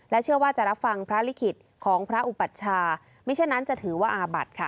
เชื่อว่าจะรับฟังพระลิขิตของพระอุปัชชาไม่เช่นนั้นจะถือว่าอาบัติค่ะ